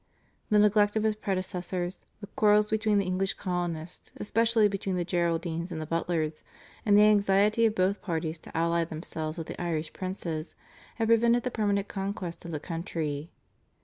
The neglect of his predecessors, the quarrels between the English colonists, especially between the Geraldines and the Butlers, and the anxiety of both parties to ally themselves with the Irish princes, had prevented the permanent conquest of the country.